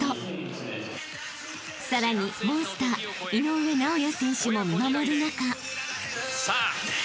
［さらにモンスター井上尚弥選手も見守る中］